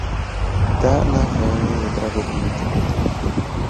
Da n’a fa ye Ouédraogo kunbɛn cogo di?